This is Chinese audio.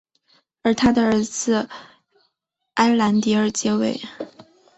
由他的儿子埃兰迪尔接位。